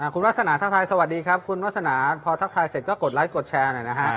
คุณวาสนาทักทายสวัสดีครับคุณวาสนาพอทักทายเสร็จก็กดไลค์กดแชร์หน่อยนะฮะ